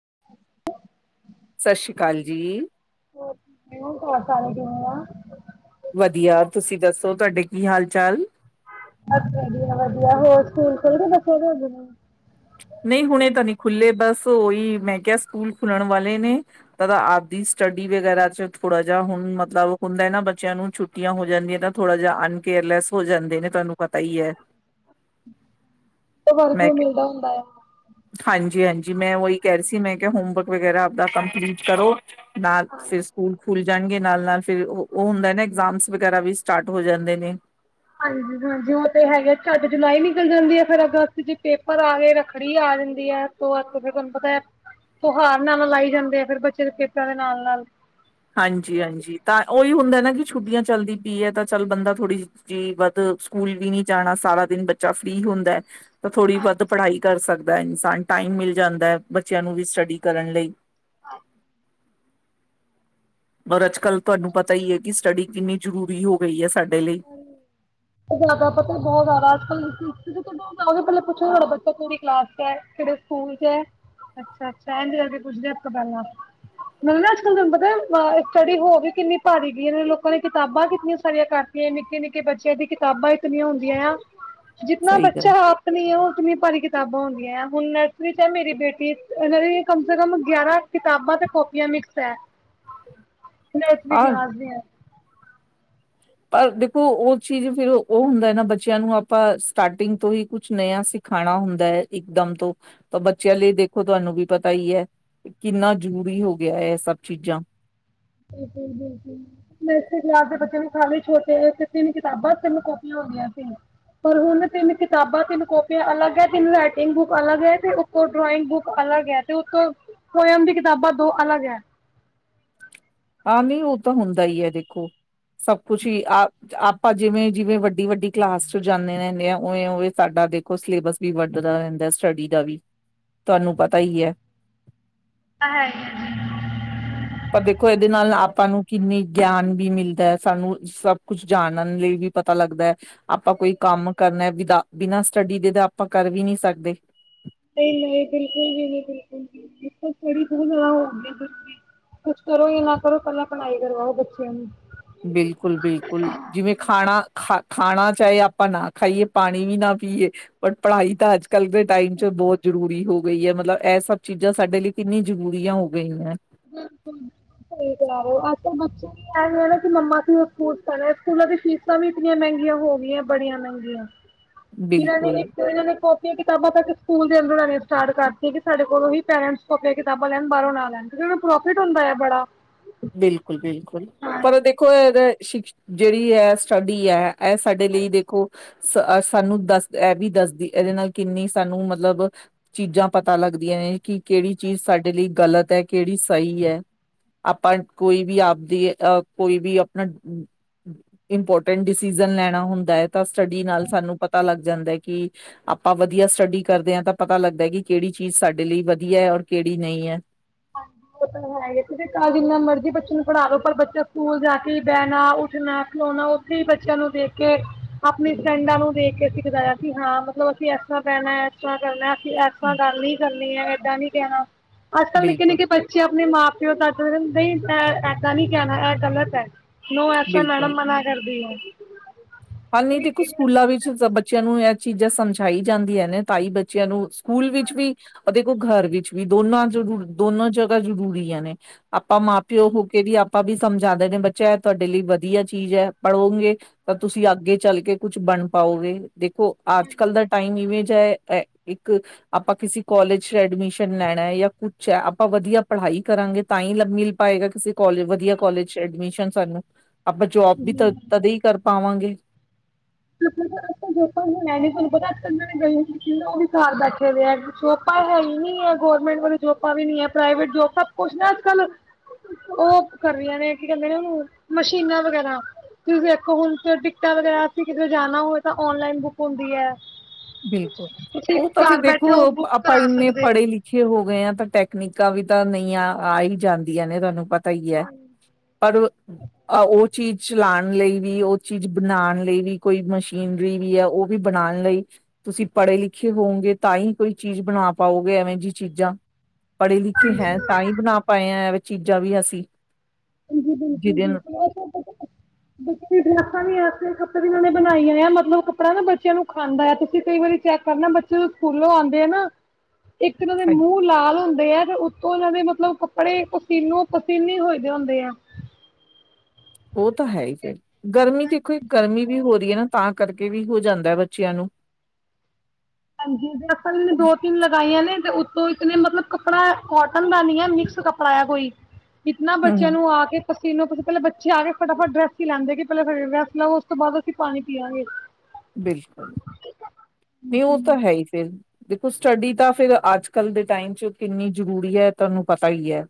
[unintelligible] ਸਤਿ ਸ਼੍ਰੀ ਕਾਲ ਜੀ ਹੋਰ ਕਿਮੇ ਓ ਘਰ ਸਾਰੇ ਕਿਮੇ ਆਂ ਵਧੀਆ ਤੁਸੀਂ ਦੱਸੋ ਤੁਹਾਡੇ ਕੀ ਹਾਲ ਚਾਲ। ਬਸ ਵਧੀਆ ਵਧੀਆ ਹੋਰ ਸਕੂਲ ਖੁੱਲ ਗੇ ਬੱਚੇ ਦੇ ਹਜੇ ਨਹੀਂ ਨਈਂ ਹੁਣੇ ਤਾ ਨੀਂ ਖੁੱਲੇ ਬਸ ਓਹੀ ਮੈਂ ਕਿਹਾ ਸਕੂਲ ਖੁਲਣ ਵਾਲੇ ਨੇ ਤਦ ਆਪਦੀ ਸਟੱਡੀ ਵਗੈਰਾ ਚ ਥੋੜਾ ਜਾ ਹੁਣ ਮਤਲਬ ਹੁੰਦਾ ਨਾ ਬੱਚਿਆਂ ਨੂੰ ਛੁੱਟੀਆਂ ਹੋ ਜਾਂਦੀਆਂ ਤਾਂ ਥੋੜਾ ਜਾ ਅਨਕੇਅਰਲੈਸ ਹੋ ਜਾਂਦੇ ਨੇ ਤਾਂ ਪਤਾ ਈ ਐ ਤੇ ਵਰਕ ਮੈਂ ਵੀ ਮਿਲਦਾ ਹੁੰਦਾ ਆ। ਹਾਂਜੀ ਹਾਂਜੀ ਮੈਂ ਉਹੀ ਕਹਿ ਰਹੀ ਸੀ ਮੈਂ ਕਿਹਾ ਹੋਮਵਰਕ ਵਗੈਰਾ ਆਪਦਾ ਕੰਪਲੀਟ ਕਰੋ। ਨਾਲ ਫਿਰ ਸਕੂਲ ਖੁੱਲ ਜਾਣਗੇ ਨਾਲ ਨਾਲ, ਫਿਰ ੳਹ ਹੁੰਦਾ ਨ ਏਗਜ਼ਾਮਸ ਵਗਰਾ ਵੀ ਸਟਾਰਟ ਹੋ ਜਾਂਦੇ ਨੇ। ਹਾਂਜੀ ਹਾਂਜੀ, ਉਹ ਤੇ ਹੈਗਾ ਚੱਟ ਜੁਲਾਈ ਨਿਕਲ ਜਾਂਦੀ ਏ, ਫਿਰ ਅਗਸਤ ਚ ਪੇਪਰ ਆਗੇ, ਰੱਖੜੀ ਆ ਜਾਂਦੀ ਏ, [unintelligible] ਤੁਹਾਨੂੰ ਪਤਾ ਤੋਹਾਰ ਨਾਲ- ਨਾਲ ਆਈ ਜਾਂਦੇ ਆ ਫਿਰ ਬੱਚੇ ਦੇ ਪੇਪਰਾਂ ਦੇ ਨਾਲ ਨਾਲ ਹਾਂਜੀ-ਹਾਂਜੀ, ਤਾਂ ਉਈ ਹੁੰਦਾ ਨਾ ਕਿ ਛੁੱਟੀਆਂ ਚੱਲਦੀ ਪਿਏ ਤਾਂ ਚੱਲ ਬੰਦਾ ਥੋੜ੍ਹੀ ਜਿਹੀ ਵੱਧ ਸਕੂਲ ਵੀ ਨੀ ਜਾਣਾ, ਸਾਰਾ ਦਿਨ ਬੱਚਾ ਫ੍ਰਰੀ ਹੁੰਦਾ ਤਾਂ ਥੋੜ੍ਹੀ ਵੱਧ ਪੜ੍ਹਾਈ ਕਰ ਸਕ ਇਨਸਾਨ ਟਾਈਮ ਮਿਲ ਜਾਂਦਾ, ਬੱਚਿਆਂ ਨੂੰ ਵੀ ਸਟੱਡੀ ਕਰਨ ਲਈ [inaudible] [unintelligible] ਕੱਲ ਤੁਹਾਨੂੰ ਪਤਾ ਈ। ਏ ਕਿ ਸਟੱਡੀ ਕਿੰਨੀ ਜ਼ਰੂਰੀ ਹੋ ਗਈ ਹੈ, ਸਾ ਹਾਂ, ਜ਼ਾਦਾ ਪਤਾ ਬਹੁਤ ਜ਼ਿਆਦਾ ਅੱਜ ਕੱਲ ਪਹਿਲਾ ਪੁਛ ਤੂਵਾਡਾ ਬਚਾ ਕੇੜੀਂ ਕਲਾਸ ਚ ਏ, ਕੇੜੇਂ ਸਕੂਲ ਚ ਏ, ਅੱਛਾ ਅੱਛਾ ਏਝੰ ਕਰਕੇ ਪੁਛਦੇ [unintelligible] ਪਹਿਲਾਂ ਨਾਲੇ ਨਾ ਅੱਜ-ਕਲ ਤੁਹਾਨੂੰ ਪਤਾ ਸਟੱਡੀ ਹੋ ਵੀ ਕਿੰਨੀ ਭਾਰੀ ਗਈ ਏ, ਲੋਕਾਂ ਨੇ ਕਿਤਾਬਾਂ ਕਿਤਨੀ ਸਾਰੀਆਂ ਕਰ ਨਿੱਕੇ-ਨਿੱਕੇ ਬੱਚੇਂਆ ਦੀ ਕਿਤਾਬਾਂ ਕਿਨੀਆਂ ਹੁੰਦੀਆਂ ਆ। ਜਿਤਨਾ ਸਹੀ ਗੱਲ ਬੱਚਾ ਆਪ ਨਹੀਂ ਏ। ਉਤਨੀ ਪਾਰੀ ਕਿਤਾਬਾਂ ਹੁੰਦੀਆਂ ਐ ਹੁਨ ਨਰਸਰੀ ਚ ਏ, ਮੇਰੀ ਬੇਟੀ ਇਹਨਾਂ ਦੀ ਕਮ ਸੇ ਕਮ ਗਿਆਰਾਂ ਕਿਤਾਬਾਂ, ਤੇ ਕਾਪੀਆਂ ਮਿਕਸ ਹੈ। ਵਿੱਚ ਵੀ ਹਾਂ ਕਲਾਸ [unintelligible] ਹੈ ਪਰ ਦੇਖੋ ਊ ਚੀਜ਼ ਫਿਰ ਉਹ ਹੁੰਦਾ ਨਾ ਬੱਚਿਆਂ ਨੂੰ ਆਪਾਂ ਸਟਾਰਟਿੰਗ ਤੋਂ ਹੀ ਕੁਛ ਨਯਾ ਸਿਖਾਣਾ ਹੁੰਦਾ ਏ, ਇਕ ਦਮ ਤੋਂ ਤਾਂ ਬੱਚਿਆਂ ਲੀ ਦੇਖੋ, ਤੁਹਾਨੂੰ ਵੀ ਪਤਾ ਹੀ ਏ ਕਿੰਨਾ ਜ਼ਰੂਰੀ ਹੋ ਗਿਆ ਇਹ ਸਬ ਚੀਜ਼ਾਂ ਬਿਲਕੁਲ-ਬਿਲਕੁਲ ਕਲਾਸ ਦੇ ਬਚੇ [unintelligible] ਛੋਟੇ ਤਿਨ ਕਿਤਾਬਾਂ ਤਿਨ ਕੋਪਿਆਂ ਹੁੰਦੀਆਂ ਸੀ, ਪਰ ਹੁਣ ਤਿਨ ਕਿਤਾਬਾਂ, ਤਿਨ ਕੋਪਿਆਂ ਅਲਗ ਏ ਤਿਨ ਰਾਇਟਿੰਗ ਬੁਕ ਅਲੱਗ ਏ, ਤੇ ੳਤੋ ਡਰਾਇਨੰਗ ਬੁਕ ਅਲਗ ਆਂ ਨੀ ਉਹ ਤਾਂ ਹੁੰਦਾ ਈ ਐ । ਦੇਖੋ ਸਭ ਕੁਛ ਹੀ ਆ ਆਪਾਂ ਜਿਵੇਂ ਜਿਵੇਂ, ਵੱਡੀ-ਵੱਡੀ, ਕਲਾਸ ਚ ਜਾਂਨੇ ਰੈਨੇ ਆ ਉਵੇਂ ਉਵੇ ਸਾਡਾ ਦੇਖੋ ਸਿਲੇਬਸ ਵੀ ਵੱਧਦਾ ਰੈੰਦਾ ਸਟੱਡੀ ਦਾ ਵੀ ਤੁਵਾਨੂੰ ਪਤਾ ਈ ਏ। [unintelligible] ਪਰ ਦੇਖੋ ਇਹਦੇ ਨਾਲ ਆਪਾਂ ਨੂੰ ਕਿੰਨੀ ਗਿਆਨ ਵੀ ਮਿਲਦਾ ਹੈ, ਸਾਨੂੰ ਸਭ ਕੁਛ ਜਾਣਨ ਲਈ ਵੀ ਪਤਾ ਲੱਗਦਾ ਹੈ, ਆਪਾਂ ਕੋਈ ਕੰਮ ਕਰਨਾ ਵਿਦਾ ਬਿਨਾਂ ਸਟੱਡੀ ਦੇ ਤਾਂ ਆਪਾਂ ਕਰ ਵੀ ਨਹੀ ਸਕਦੇ ਨਹੀਂ ਨਹੀਂ ਬਿਲਕੁਲ ਵੀ ਨਹੀਂ, ਬਿਲਕੁਲ ਸਟੱਡੀ ਤਾਂ ਜ਼ਰੂਰੀ ਹੋਗੀ, ਕੁਛ ਕਰੋ ਜਾਂ ਨਾ ਕਰੋ ਪਹਿਲਾਂ ਪੜ੍ਹਾਈ ਕਰਵਾਓ ਬੱਚਿਆਂ ਨੂੰ। ਬਿਲਕੁਲ ਬਿਲਕੁਲ ਜਿਵੇਂ ਖਾਣਾ ਖਾ ਖਾਣਾ ਚਾਏ ਆਪਾਂ ਨਾ ਖਾਈਏ, ਪਾਣੀ ਵੀ ਨਾ ਪੀਏ, ਪਰ ਪੜ੍ਹਾਈ ਤਾਂ ਅੱਜੱਲ ਕੱਲ ਦੇ ਟਾਈਮ ਚ ਬੋਤ ਜ਼ਰੂਰੀ ਵੀ ਹੋ ਗਈ ੲ ਮਤਲਬ ਏ ਸਭ ਚੀਜ਼ਾਂ ਸਾਡੇ ਲਈ ਕਿੰਨੀ ਜ਼ਰੂਰੀਆਂ ਹੋ ਗਈਏ । ਬਿਲਕੁੁਲ ਸਈ ਕੈ ਰਹੇ ਹੌ। ਆਜਕਲ ਬੱਚੇ ਵੀ ਹੈਗੇ ਨੇ [unintelligible] ਕਿ ਮੰਮਾ ਸਕੂਲ [unintelligible] ਸਕੂਲਾਂ ਦੀ ਫੀਸਾਂ ਵੀ ਇਤਨੀਆਂ ਮੈਗੀਂਆਂ ਹੋ ਗੀਏ ਬੜੀਆਂ ਮੈਗੀਂਆਂ ਇੱਣਾ ਨੇ ਬਿਲਕੁਲ ਇੱਕ ਇਨਾਂ ਨੇ ਕੋਪੀ, ਕਿਤਾਬਾਂ ਤੱਕ ਸਕੂਲ ਫਿਰ ਊਨਾਨੇ ਸਟਾਰਟ ਕਰ ਤੀ, ਕਿ ਸਾਡੇ ਕੋਲੋਂ ਹੀ ਪੈਰੈਂਸ ਕੋਪੀਂ, ਕਿਤਾਬਾਂ ਲੈਨ ਬਾਰੋਂ ਨਾ ਲੈਨ। [unintelligible] ਨੂੰ ਪ੍ਰੋਫਿਟ ਹੁੰਦਾ ਏ ਬੜਾ ਬਿਲਕੁਲ, ਬਿਲਕੁਲ ਪਰ ਦੇਖੋ ਇਹ ਸ਼ਿਕਸ਼ ਜੜੀ ੲ ਸਟੱਡੀ ਏ ਐ ਸਾਡੇ ਲਈ ਦੇਖੋ ਸਾਨੂੰ ਦੱਸ ਏ ਵੀ ਦੱਸਦੀ ਏਦੇ ਨਾਲ ਕਿੰਨੀ ਸਾਨੂੰ ਮਤਲਬ ਚੀਜ਼ਾਂ ਪਤਾ ਲੱਗਦਿਆਂ ਏ, ਕਿ ਕੇੜੀ ਚੀਜ਼ ਸਾਡੇ ਲੀ ਗਲਤ ਹੈ, ਕੇੜੀ ਸਹੀ ਏ। ਆਪਾ ਕੋਈ ਵੀ ਆਪ ਦੀ ਅ ਕੋਈ ਵੀ ਆਪਣਾ ਇੰਪੋਰਟਂਟ ਡਸੀਜਨ ਲੈਣਾ ਹੁੰਦਾ ਹੈ, ਤਾ ਸਟਡੀ ਨਾਲ ਸਾਨੂ ਪਤਾ ਲਗ ਜਾਂਦਾ ਏ, ਕਿ ਆਪਾ ਵਧਿਆ ਸਟਡੀ ਕਰਦੇ ਆ ਤਾ ਪਤਾ ਲਗਦਾ, ਕਿ ਕੇੜੀ ਚੀਜ਼ ਸਾਡੇ ਲੀ ਵਧੀਏ ਔਰ ਕੇੜੀ ਨਈ ਏ। ਹਾਂਜੀ ਉਹ ਤਾਂ ਹੈ ਜਿੰਨਾ ਮਰਜੀ ਬੱਚੇ ਨੂੰ ਪੜ੍ਹਾ ਲੋ, ਪਰ ਬੱਚਾ ਸਕੂਲ ਜਾ ਕੇ ਹੀ ਬਹਿਣਾ ਉੱਠਣਾ ਖਲੋਣਾ ਉੱਥੇ ਹੀ ਬੱਚਿਆਂ ਨੂੰ ਦੇਖ ਕੇ ਆਪਣੀ ਫਰੈਂਡਾਂ ਨੂੰ ਦੇਖ ਕੇ ਸਿਖਦਾ ਆ, ਕਿ ਹਾਂ ਮਤਲਬ ਅਸੀਂ ਇਸ ਤਰ੍ਹਾਂ ਬਹਿਣਾ ਇਸ ਤਰ੍ਹਾਂ ਕਰਨਾ ਐਸਾ ਗੱਲ ਨੀ ਕਰਨੀ ਹੈ, ਏਦਾਂ ਨ ਕਹਿਣਾ ਅਜ ਕੱਲ ਇਕ ਨਿੱਕੇ ਬਿਲਕੁਲ ਨਿੱਕੇ ਬੱਚੇ ਆਪਣੇ ਮਾਂ ਉਹ ਸੱਤ ਵਚਨ, ਨਹੀਂ ਮੈਂ ਇਦਾਂ ਨਹੀ ਕੇਹਾ, ਐ ਗਲਤ ਐ ਨੂੰ ਐਸਾ, ਬਿਲਕੁਲ ਮੈਡਮ ਮਨਾ ਕਰਦੀ ਹੈ ਹਾਂ ਨੀ ਦੇਖੋ, ਸਕੂਲਾਂ ਵਿੱਚ ਬੱਚਿਆਂ ਨੂੰ। ਚੀਜ਼ਾਂ ਸਮਝਾਈ ਜਾਂਦੀਆਂ ਨੇ, ਤਾਂ ਹੀ ਬੱਚਿਆਂ ਨੂੰ ਸਕੂਲ ਵਿੱਚ ਵੀ ਅੱਧੀ ਘਰ ਵਿੱਚ ਵੀ ਦੋਨਾਂ ਜ਼ਰੂ ਦੋਨੋ ਜਗ੍ਹਾ ਜ਼ਰੂਰੀਆਂ ਨੇ ਆਪਾਂ ਮਾਂ ਪਿਓ ਹੋ ਕੇ ਵੀ ਆਪਾਂ ਵੀ ਸਮਝਾਉਂਦੇ ਨੇ ਬੱਚਾ ਇਹ ਤੁਹਾਡੇ ਲਈ ਵਧੀਆ ਚੀਜ਼ ਹੈ, ਪੜੋਗੇ ਤੁਸੀਂ ਅੱਗੇ ਚੱਲ ਕੇ, ਕੁਛ ਬਣ ਪਾਓਗੇ। ਦੇਖੋ ਅੱਜ ਕੱਲ ਦਾ ਟਾਈਮ ਇਵੇਂ ਇੱਕ ਆਪਾਂ ਕਿਸੇ ਕਾੱਲੇਜ ਚ ਐਡਮਿਸ਼ਨ ਲੈਣਾ ਜਾਂ ਕੁਛ ਹੈ, ਆਪਾਂ ਵਧੀਆ ਪੜ੍ਹਾਈ ਕਰਾਂਗੇ ਤਾਂ ਹੀ ਮਿਲ ਪਾਏਗਾੇ ਕੋਾਲ ਵਧੀਆ ਕੋਾਲਜ ਚ ਐਡਮਿਸ਼ਨ ਸਾਨੂੰ ਆਪਾਂ ਜੋਬ ਵੀ ਜੀ ਤਾਂ ਤਦੇ ਕਰ ਪਾਵਾਂਗੇ ਅੱਜ ਜੋਬਾਂਣ ਨ ਤੁਹਾਨੂੰ ਪਤਾ ਅੱਜ ਕੱਲਨਾਂ ਨੇ ਗਈ ਮਸ਼ੀ ਉਹ ਵਿਖਾਰ ਬੈਠੇ ਦੇ, ਜੋਬਾਂ ਹੈ ਹੀ ਨੀ ਹੈ ਗੌਰਰਮੈਂਟ ਵਾਲ ਜੋਬਾਂ ਵੀ ਨ ਹੈ ਪ੍ਰਾਈਵੇਟ ਜੋਬਾਂ ਸਭ ਕੁਛ ਨਾ ਅੱਜ ਕੱਲ ਉਹ ਕਰ ਰਹੀਆਂ ਨੇ ਕੀ ਕਹਿੰਦੇ ਨੇ ਹ ਮਸ਼ੀਨਾਂ ਵਗੈਰਾ ਤੁਂ ਦੇਖੋ ਹੁਣ ਟਿਕਟਾਂ ਵਗੈਰਾ ਤੁ ਕਿਤੇ ਜਾਣਾ ਹੋਵੇ ਤਾਂ ਔਨਲਾਈਨ ਬੁੱਕ ਹੁੰਦੀ ਹੈ। ਬਿਲਕੁਲ ਤੁਸੀਂ ਉਹ ਤਾਂ ਫਿਰ ਘਰ ਦੇਖੋ ਬੈਠੇ ਉਹ ਬੁੱਕ ਆਪਾਂ ਕਰਾ ਇਨੇ ਸਕਦੇ ਹੋ ਪੜ੍ਹੇ ਲਿਖੇ ਹੋ ਗਏ ਹਾਂ ਤਾਂ ਟੈਕਸ ਤਕਨੀਕਾਂ ਵੀ ਤਾਂ ਨਹੀਂਆਂ ਆ ਹੀ ਜਾਂਦੀਆਂ ਨੇ ਤੁਹਾਨੂੰ ਪਤਾ ਤਾਂ ਹੀ ਹੈ, ਪਰ ਉਹ ਚੀਜ਼ ਚਲਾਉਣ ਲਈ ਵੀ, ਉਹ ਚੀਜ਼ ਬਣਾਉਣ ਲਈ ਵੀ ਕੋਈ ਮਸ਼ੀਨਰੀ ਵੀ ਹੈ, ਉਹ ਵੀ ਬਣਾਉਣ ਲਈ ਤੁਸੀਂ ਪੜ੍ਹੇ ਲਿਖੇ ਹੋਵਗੇ ਤਾਂ ਹੀ ਕੋਈ ਚੀਜ਼ ਬਣਾ ਪਾਓਗੇ, ਐਵੇਂ ਜਿਹੀ ਚੀਜ਼ਾਂ ਪੜ੍ਹੇ ਲਿਖੇ ਹੈ, ਤਾਂ ਹੀ ਬਣਾ ਪਾਏ ਐ। ਚੀਜ਼ਾਂ ਵੀ ਅਸੀਂ ਹਾਂ ਬਿਲਕੁਲ ਜਿਹਦੇ ਨਾਲ ਬਿਲਕੁਲ [inaudible] ਵੀ ਨੇ ਬਣਾਈਆਂ ਮਤਲਬ ਕੱਪੜਾ ਨਾ ਬੱਚਿਆਂ ਨੂੰ ਖਾਂਦਾ ਆ ਤੁਸੀਂ ਕਈ ਵਾਰੀ ਚੈੱਕ ਕਰਨਾ ਬੱਚੇ ਸਕੂਲੋਂ ਆਉਂਦੇ ਆ ਨਾ ਇੱਕ ਉਨਾਂਦੇ ਦੇ ਹਾਂਜੀ, ਮੂੰਹ ਲਾਲ ਹੁੰਦੇ ਐ, ਤੇ ਉਹਨਾਂ ਦੇ ਮਤਲਬ ਕੱਪੜੇ ਪਸੀਨੋ ਪਸੀਨ ਹੋਏ। ਹੁੰਦੇ ਆ। ਉਹ ਤਾਂ ਹੈ ਹੀ ਫੇਰ ਗਰਮੀ ਦੇਖੋ ਗਰਮੀ ਵੀ ਹੋ ਰਹੀ ਹੈ ਨਾ ਤਾਂ ਕਰਕੇ ਵੀ ਹੋ ਜਾਂਦਾ ਹੈ ਬੱਚਿਆਂ ਨੂੰ ਹਾਂਜੀ ਆਪਾਂ ਇਹ ਨੇ ਦੋ ਤਿੰਨ ਲਗਾਈਆਂ ਨੇ ਤੇ ਇਤੇ ਮਤਲਬ ਕੱਪੜਾ ਕਟਨ ਕਾ ਨਹੀਂ ਹੈ ਮਿਕਸ ਕਪੜਾ ਹੈ ਕੋਈ ਕਿਤਨਾ ਹਮ ਬੱਚਿਆਂ ਹਮ ਨੂੰ ਆ ਕੇ ਪਸੀਨੋ ਪਸੀਨ ਪਹਿਲੇ ਬੱਚੇ ਆ ਗੇ ਫਟਾਫਟ ਡਰੈਸ ਈ ਲੈਂਦੇ ਗੇ ਪਹਿਲੇ ਫਿਰ ਡਰੈਂਸ ਲਾਵੋ ਉਸ ਤੋਂ ਬਾਦ ਅਸੀਂ ਪਾਨੀ ਪੀਆ ਗੇ ਬਿਲਕੁਲ, ਨਹੀਂ ਉ ਤਾਂ ਹੈ ਈ ਫਿਰ ਦੇਖੋ ਸਟੱਡੀ ਤਾਂ ਫਿਰ ਅੱਜ ਕੱਲ੍ਹ ਦੇ ਟਾਈਮ ਚ ਕਿੰਨੀ ਜ਼ਰੂਰੀ ਹੈ ਤਾਨੂੰ ਪਤਾ ਈ ਐ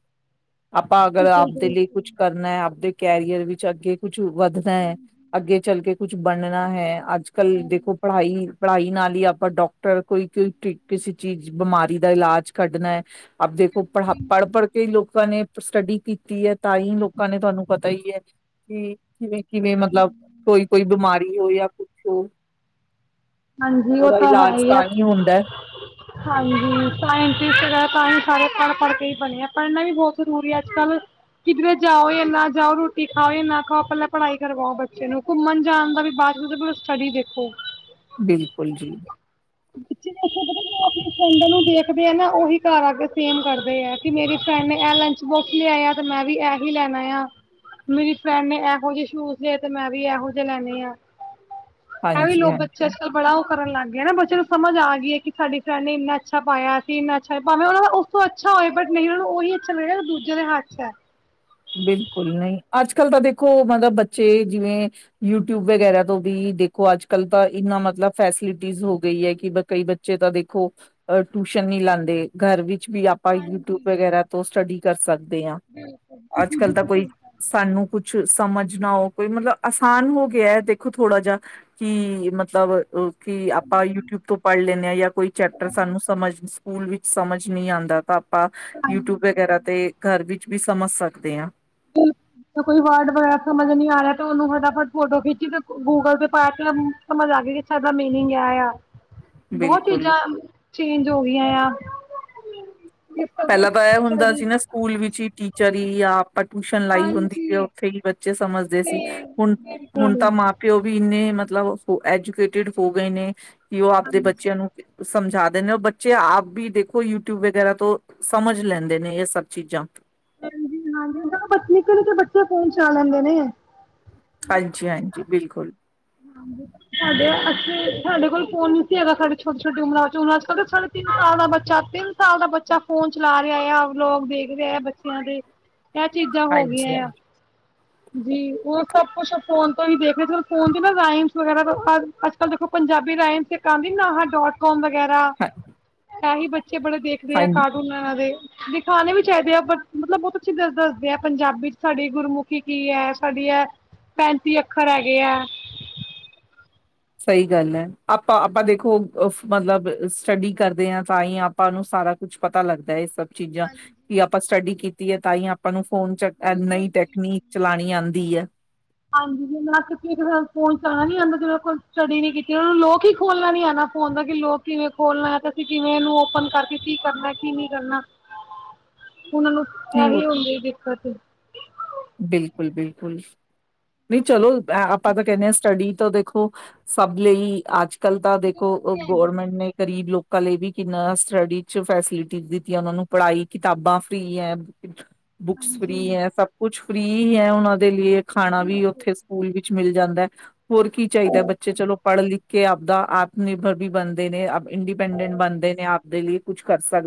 ਆਪਾਂ ਅਗਰ ਬਿਲਕੁਲ ਆਪਦੇ ਬਿਲਕੁਲ ਲਈ ਕੁੱਛ ਕਰਨਾ ਹੈ ਆਪਦੇ ਕੈਰੀਅਰ ਵਿੱਚ ਅੱਗੇ ਕੁਝ [unintelligible] ਵੱਧਦਾ ਹੈ ਅੱਗੇ ਚੱਲ ਕੇ ਕੁਛ ਬਣਨਾ ਹੈ ਆਜ ਕੱਲ ਦੇਖੋ ਪੜ੍ਹਾਈ ਪੜ੍ਹਾਈ ਨਾਲ ਈ ਆਪਾਂ ਡਾਕਟਰ ਕੋਈ ਕੋਈ ਕਿਸੇ ਚੀਜ਼ ਬਿਮਾਰੀ ਦਾ ਇਲਾਜ ਕੱਢਣਾ ਐ ਆਪ ਦੇਖੋ ਪਹੜ ਪੜ੍ਹ ਪੜ੍ਹ ਕੇ ਲੋਕਾਂ ਨੇ ਪਰ ਸਟੱਡੀ ਕੀਤੀ ਐ ਤਾਂ ਈ ਲੋਕਾਂ ਨੇ ਤੁਹਾਨੂੰ ਪਤਾ ਈ ਐ ਕਿ ਕਿਵੇਂ ਕਿਵੇਂ ਮਤਲਬ ਕੋਈ -ਕੋਈ ਬਿਮਾਰੀ [unintelligible] ਆ ਕੁ ਸੋ ਹਾਂਜੀ ਉਹ ਤਾਂ ਹੈ ਈ ਐ ਹੀ ਹੁੰਦਾ ਹੈ। ਹਾਂਜੀ ਸਾਇੰਟੀਸਟ ਵਗੇਰਾ ਤਾਈਂ ਸਾਰੇ ਪੜ ਪੜ੍ਹ ਕੇ ਈ ਬਨੇ ਐ ਪੜ੍ਹਨਾ ਵੀ ਬਹੁਤ ਜ਼ਰੂਰੀ ਹੈ ਅੱਜ ਕੱਲ੍ਹ ਕਿਧਰੇ ਜਾਓ ਨਾ ਜਾਓ ਰੋਟੀ ਖਾਓ ਨਾ ਖਾਓ ਪਹਿਲਾਂ ਪੜ੍ਹਾਈ ਕਰਵਾਓ ਬੱਚੇ ਨੂੰ ਘੁੰਮਣ ਜਾਣ ਦਾ ਵੀ ਬਾਅਦ ਸਟੱਡੀ ਦੇਖੋ। ਬਿਲਕੁਲ ਜੀ। ਬ [unintelligible] ਅਪਨੇ ਫ੍ਐਂਡਾ ਨੂੰ ਦੇਖਦੇ ਏ ਨਾ ਉਹੀ ਘਰ ਆ ਕੇ ਸੇਮ ਕਰਦੇ ਆ ਕਿ ਮੇਰੀ ਫਰਡ ਨੇ ਇਹ ਲੰਚ ਬੋਕਸ ਲਿਆਏ ਆ ਤੇ ਮੈਂ ਵੀ ਏਹੀ ਲੈਨਾ ਆ ਮੇਰੀ ਫਰੈਂਡ ਨੇ ਇਹੋ ਜੇ ਸ਼ੂਜ ਲੇ ਤੇ ਮੈਂ ਵੀ ਇਹੋ ਜਹੇ ਲੈਨੇ ਆ। ਐ ਵੀ ਲੋਕ ਹਾਂਜੀ-ਹਾਂਜੀ, ਬੱਚੇ ਅੱਜ ਕੱਲ ਬੜਾ ਕਰਨ ਲੱਗ ਗਏ ਨਾ ਬੱਚੇ ਨੂੰ ਸਮਝ ਆ ਗੀ ਈ ਏ ਕਿ ਸਾਡੀ ਫਰੈਂਡ ਨੇ ਏਨਾ ਅੱਛਾ ਪਾਇਆ ਐ ਤੇ ਏਨਾ ਅੱਛਾ ਭਾਵੇਂ ਉ [unintelligible] ਦਾ ਉਸ ਤੋਂ ਅੱਛਾ ਹੋਏ ਬਟ ਨਹੀਂ ਉਹਨੂੰ ਉਹੀ ਅੱਛਾ ਮਿਲੇਗਾ ਦੋ ਦੂਜੇ ਦੇ ਹੱਥ ਚ ਐ ਬਿਲਕੁਲ ਨਹੀਂ ਅੱਜ ਕੱਲ ਤਾਂ ਦੇਖੋ ਮਤਲਬ ਬੱਚੇ ਜਿਵੇਂ ਯੂਟਿਊਬ ਵਗੈਰਾ ਤੋਂ ਵੀ ਦੇਖੋ ਅੱਜ ਕਲ ਤਾਂ ਇਨਾ ਮਤਲਬ ਫੈਸਿਲਿਟੀਸ ਹੋ ਗਈ ਏ ਕਿ ਕਈ ਬੱਚੇ ਤਾਂ ਦੇਖੋ ਅ ਟਿਊਸ਼ਨ ਨਹੀਂ ਲਾਦੇ ਘਰ ਵਿੱ ਵੀ ਆਪਾਂ ਯੂਟਿਊਬ ਵਗੈਰਾ ਤੋਂ ਸਟੱਡੀ ਕਰ ਸਕ [unintelligible] ਅੱਜ ਕਲ ਤਾਂ ਕੋਈ ਸਾਨੂੰ ਕੁ ਕੁਛ ਸਮਝਨਾ ੳ ਕੋਈ ਮਤਲਬ ਅਸਾਨ ਹੋ ਗਿਆ ਏ ਦੇਖੋ ਥੋੜਾ ਜਾ ਕਿ ਮਤਲਬ ਕਿ ਆਪਾਂ ਯੂਟਿਊਬ ਤੋਂ ਪੜ੍ਹ ਲੈਂਨੇ ਆ ਯਾ ਕੋਈ ਚੈਪਟਰ ਸਾਨੂੰ ਸਮਝ ਸਕੂਲ ਵਿੱਚ ਸਮਝ ਨਹੀਂ ਆਂਦਾ ਤਾਂ ਪਾਂ ਯੂਟਿਊਬ ਵਗੈਰਾ ਤੇ ਘਰ ਵਿੱਚ ਵੀ ਸਮੱਸਾ ਦੇ ਆ ਕੋਈ ਵਰਡ ਵਗੈਰਾ ਸਮਝ ਨੀ ਆ ਰਿਆ ਤੇ ਉਹਨੂੰ ਫਟਾਫਟ ਫੋਟੋ ਖਿੱਚੀ ਤੇ ਗੂਗਲ ਤੇ ਪਾ ਕੇ ਸਮਝ ਆਜੇ ਗੀ ਕਿ ਸਾਡਾ ਮੀਨਿੰਗ ਏ ਯਾ ਬਹੁਤ ਬਿਲਕੁਲ ਚੀਜ਼ਾਂ ਚੇਂਜ ਹੋ ਗਈਆਂ ਆ। [inaudible] ਪਹਿਲਾਂ ਤਾਂ ਏ ਹੁੰਦਾ ਸੀ ਨਾ ਸਕੂਲ ਵਿੱਚ ਹੀ ਟੀ ਚਰੀ ਆ ਆਪਾਂ ਟਿਊਸ਼ਨ ਲਾਈ ਹੁੰਦੀ ਜੇ ਹਾਂਜੀ। ਉੱਥੇ ਈ ਬੱਚੇ ਸਮਝਦੇ ਸੀ ਹੁਨ -ਹੁਨ ਤਾਂ ਮਾਂ ਪਿਓ ਵੀ ਇੰਨੇ ਮਤਲਬ ਮਤਲਬ ਐਜੂਕੇਟਿਡ ਹੋ ਗਏ ਨੇ। ਕਿ ਉਹ ਆਪਦੇ ਬੱਚਿਆਂ ਨੂੰ ਸਮਝਾ ਦੇਣੇ ਬੱਚੇ ਆਪ ਵੀ ਦੇਖੋ ਯੂਟਿਊਬ ਵਗੈਰਾ ਤੋਂ ਸਮਝ ਲੈਂਦੇ ਨੇ ਇਹ ਸਭ ਚੀਜ਼ਾਂ। ਹਾਂਜੀ- ਹਾਂਜੀ ਉਹ ਪਤਾ ਨੀ ਨਿੱਕੇ ਨਿੱਕੇ ਬੱਚੇ ਫੋਨ ਚਲਾ ਲੈਂਦੇ ਨੇ। ਹਾਂਜੀ -ਹਾਂਜੀ ਬਿਲਕੁਲ। ਹਾਂਜੀ, ਸਾਡੇ ਅੇ ਸਾਡੇ ਕੋਲ ਫੋਨ ਨੀ ਸੀ ਹੈਗਾ ਸਾਡੇ ਛੋਟੀ-ਛੋਟੀ ਉਮਰ 'ਚ ਅੱਜ ਕੱਲ ਸਾਡੇ ਤਿੰਨ ਸਾਲ ਦਾ ਬਾ ਤਿੰਨ ਸਾਲ ਦਾ ਬੱਚਾ ਫੋਨ ਚਲਾ ਰਿਹਾ ਆ ਵਲੋਗ ਦੇਖ ਰਹੇ ਆ ਬੱਚਿਆਂ ਦੇ। ਇਹ ਚੀਜ਼ਾਂ ਹੋ ਹਾਂਜੀ ਗਈਆਂ ਹਾਂ ਆ। ਜੀ ਉਹ ਸਭ ਕੁਛ ਫੋਨ ਤੋਂ ਹੀ ਦੇਖ ਰਹੇ ਫੋਨ ਰਮਸ ਵਗੈਰਾ ਅੱਜ-ਕੱਲ ਦੇਖੋ ਪੰਜਾਬੀ ਰਾਈਮਸ ਇੱਕ ਆਂ ਨਾਹਾ ਡੋਟ ਕਮ ਵਗੈਰਾ ਹਾਂ ਤਾਂਹੀ ਬੱਚ ਚੇ ਬੜੇ ਦੇਖਦੇ ਆ ਹਾਂਜੀ ਕਾਰਟੂਨ ਇਹਨਾਂ ਦੇ। ਦਿਖਾਉਣੇ ਵੀ ਚਾਹੀਦੇ ਆ ਮਤਲਬ ਬਹੁਤ ਅੱਛੀ ਗੱਲ ਦੱਸਦੇ ਆ। ਪੰਜਾਬੀ 'ਚ ਸਾਡੀ ਗੁਰਮੁਖੀ ਕੀ ਹੈ ਸਾਡੀ ਹੈ ਪੈਂਤੀ ਅੱਖਰ ਹੈਗੇ ਆ। ਸਹੀ ਗੱਲ ਏ ਆਪਾਂ ਆਪਾਂ ਦੇਖੋ ਮਤਲਬ ਸਟੱਡੀ ਕਰਦੇ ਹਾਂ ਤਾਂ ਹੀ ਆਪਾਂ ਨੂੰ ਸਾਰਾ ਕੁਛ ਪਤਾ ਲੱਗਦਾ ਏ ਸਬ। ਚੀਜ਼ਾਂ ਵੀ ਆਪਾਂ ਸਟੱਡੀ ਕੀਤੀ ਹੈ ਤਾਂ ਹੀ ਆਪਾਂ ਨੂੰ ਫੋਨ ਚ ਨਵੀ ਟੈਕਨੀਕ ਚਲਾਉਣੀ ਆਂ ਦੀ ਹੈ। ਹਾਂਜੀ ਜ ਫੋਨ ਚਣਾ ਨੀ ਆਦਾ ਕੋਲ ਸਟੱਡੀ ਨ ਕੀਤੀ ਲੋਕ ਹੀ ਖੋਲਣਾ ਨੀ ਆਨਾ ਫੋਨ ਦਾ ਲੋਕ ਕਿਵੇਂ ਖੋਲਣਾ ਤੇ ਅਸੀਂ ਕਿਵੇਂਨ ਓਪਨ ਕਰਕੇ ਕੀ ਕਰਨਾ ਕੀ ਨਹੀ ਕਰਨਾ। ਉਹਨਾਂ ਨੂੰ ਨਹੀਂ ਇਹੀ ਉਹ ਹੁੰਦੀ ਦਿੱਕਤ ਬਿਲਕੁਲ ਬਿਲਕੁਲ ਨਹੀਂ ਚਲੋ ਆਪਾਂ ਤਾਂ ਕਹਿੰਦੇ ਹਾਂ ਸਟੱਡੀ ਤੋਂ ਦੇਖੋ ਸਭ ਲਈ ਅੱਜ ਕੱਲ ਤਾਂ ਦੇਖੋ ਗੌਰਮੈਂਟ ਨੇ ਗਰੀਬ ਲੋਕ ਕਲੇ ਵੀ ਕਿੰਨਾ ਸੱਟਡੀ ਫਸਿਲਿਟੀ ਦਿੱਤੀ ਹੈ ਓਨੂੰ ਨੁੰ ਪੜ੍ਹਾਈ ਕਿਤਾਬਾਂ ਫ੍ਰਰੀ ਹੈ। ਬੁੱਕਸ ਫ੍ਰਰੀ ਹੈ ਸਭ ਕੁਛ ਫਰੀ ਹੈ ਉਹਨਾਂ ਦੇ ਲ। ਖਾਣਾ ਵੀ ਉੱਥੇ ਸਕੂਲ ਵੀ ਮਿਲ ਜਾਂਦਾ ਹੈ। ਹੋਰ ਕੀ ਚਾਹੀਦਾ ਬੱਚੇ ਚਲੋ ਪੜ੍ਹਨ ਲਖ ਕਿ ਆਪਦਾ ਆਤਮ ਨਿਰਭਰ ਵੀ ਬਣਦੇ ਨੇ। ਇੰਡੀਪੈਂਡੈਂਟ ਬਣਦੇ ਨੇ। ਆਪਦੇ ਲਈ ਕੁਛ ਕਰ ਸਕ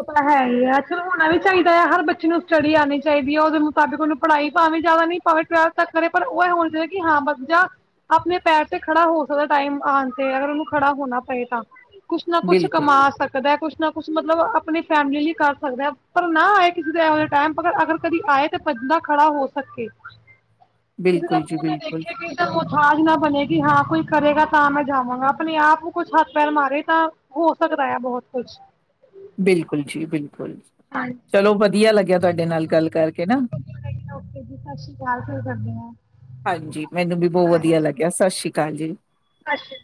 ਉਹ ਤਾਂ ਹੈ ਹੀ ਆੱ ਚਲ ਹੋਣਾ ਵੀ ਚਾਹੀਦਾ ਆ ਹਰ ਬੱਚੇ ਨੂੰ ਸਟੱਡੀ ਆਣੀ ਚਾਹੀਦੀ ਹੈ। ਉਹਦੇ ਮੁਤਾਬਿਕ ਉਹਨੂੰ ਪੜਾਈ ਭਾਵੇਂ ਜ਼ਿਆਦਾ ਨਹੀਂ ਭਾਵੇ ਟਵਲਥ ਤੱਕ ਕਰੇ ਪਰ ਉਹ ਇਹ ਹੋਣਾ ਹੈ ਕਿ ਬੱਚਾ ਆਪਣੇ ਪੈਰ ਤੇ ਖੜਾ ਹੋ ਸਕਦਾ ਟਾਈਮ ਆਣ ਤੇ ਅਗਰ ਉਹਨੂੰ ਖੜਾ ਹੋਣਾ ਪਏ ਤਾਂ। ਕੁ ਕੁੱਛ ਬਿਲਕੁਲ ਕਮਾ ਸਕਦਾ ਕੁੱਛ ਨਾ ਕੁਛ ਮਤਲਬ ਆਪਣੀ ਫੈਮਿਲੀ ਲਈ ਕਰ ਸਕਦੇ ਹ ਪਰ ਨਾ ਆਏ ਕਿਸੇ ਦੇ ਇਹੋ ਟਾਈਮ ਪਰ ਅਗਰ ਕਦੀ ਆਏ ਤਾਂ ਬੰਦਾ ਖੜਾ ਹੋ ਸਕੇ। ਤੁਸੀਂ ਤਾਂ ਬਿਲਕੁਲ ਜੀ ਮੂੰਹ ਨੇ ਬਿਲਕੁਲ ਦੇਖਿਆ ਆਜ ਨਾ ਬਣੇਗੀ ਹਾਂ ਕੋਈ ਕਰੇਗਾ ਤਾਂ ਮੈਂ ਜਾਵਾਂਗਾ ਆਪਣੇ ਆਪ ਨੂੰ ਕੁਛ ਹੱਥ ਪੈਰ ਮਾਰੇ ਤਾਂ ਹੋ ਸਕਦਾ ਆ ਬਹੁਤ ਕੁਛ ਬਿਲਕੁਲ ਜੀ ਬਿਲਕੁਲ ਚਲੋ ਵਧੀਆ ਲੱਗਿਆ ਤੁਹਾਡੇ ਨਾਲ ਗੱਲ ਕਰਕੇ ਨਾ ਓਕੇ ਜੀ ਸਤਿ ਸ਼੍ਰੀ ਅਕਾਲ ਫਿਰ ਕਰਦੇ ਹਾਂ ਹਾਂਜੀ ਮੈਨੂੰ ਵੀ ਬਹੁਤ ਵਧੀਆ ਲੱਗਿਆ ਸਤਿ ਸ੍ਰੀ ਅਕਾਲ ਜੀ ਅੱਛਾ